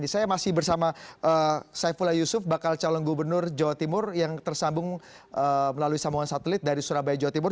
saya masih bersama saifullah yusuf bakal calon gubernur jawa timur yang tersambung melalui sambungan satelit dari surabaya jawa timur